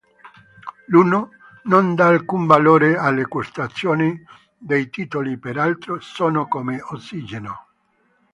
L'uno non dà alcun valore alle quotazioni dei titoli; per l'altro "sono come ossigeno".